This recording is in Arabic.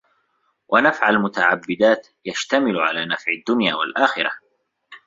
وَنَفْعَ الْمُتَعَبَّدَاتِ يَشْتَمِلُ عَلَى نَفْعِ الدُّنْيَا وَالْآخِرَةِ